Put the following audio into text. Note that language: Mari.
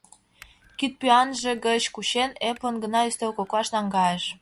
Кидпӱанже гыч кучен, эплын гына ӱстел коклаш наҥгайыш.